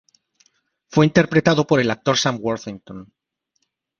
Fue interpretado por el actor Sam Worthington.